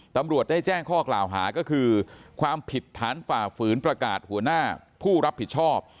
ตำรวจได้แจ้งข้อกล่าวหาก็คือความผิดฐานฝ่าฝืนประกาศหัวหน้าผู้รับผิดชอบ